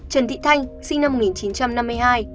trần thị thanh sinh năm một nghìn chín trăm năm mươi hai